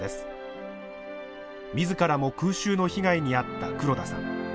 自らも空襲の被害に遭った黒田さん。